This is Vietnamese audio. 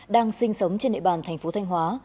đang sinh sống trên địa bàn thành phố thanh hóa